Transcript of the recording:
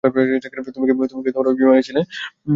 তুমি কি ওই বিমানে ছিলে?